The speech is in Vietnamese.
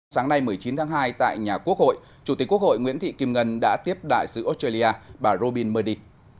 sáng nay một mươi chín tháng hai tại nhà quốc hội chủ tịch quốc hội nguyễn thị kim ngân đã tiếp đại sứ australia bà robin murdy